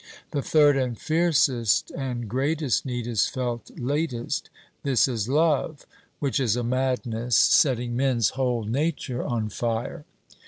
The third and fiercest and greatest need is felt latest; this is love, which is a madness setting men's whole nature on fire.